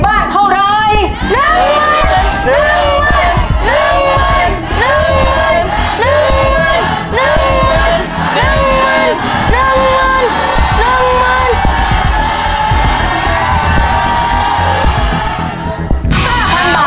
๕๐๐๐บาทครับ